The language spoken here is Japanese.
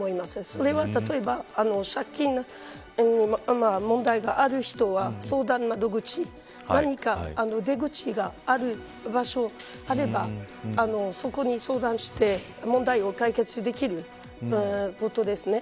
それは例えば借金の問題がある人は相談窓口何か出口がある場所があればそこに相談して問題を解決できることですね。